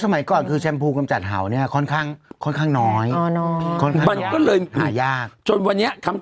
มันก็อยู่ดีมันต้องโกนป่ะเห่าอะ